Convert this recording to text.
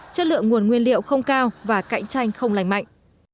chất lượng nguồn nguyên liệu không cao và cạnh tranh không lành mạnh